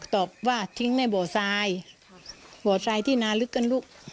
ตอบว่าทิ้งในบ่อทรายบ่อทรายที่นาลึกกันลูก